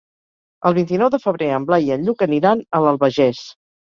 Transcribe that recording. El vint-i-nou de febrer en Blai i en Lluc aniran a l'Albagés.